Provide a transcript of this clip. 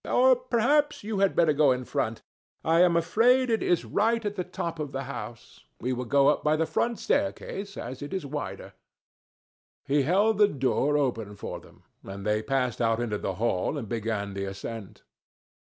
Or perhaps you had better go in front. I am afraid it is right at the top of the house. We will go up by the front staircase, as it is wider." He held the door open for them, and they passed out into the hall and began the ascent.